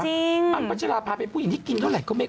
อังพัชราภาเป็นผู้หญิงที่กินเท่าไหร่ก็ไม่ค